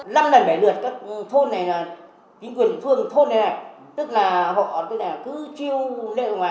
năm lần bẻ lượt các thôn này là chính quyền thương thôn này này tức là họ tên này cứ chiêu lên ngoài